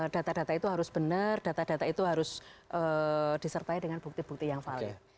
data data itu harus benar data data itu harus disertai dengan bukti bukti yang valid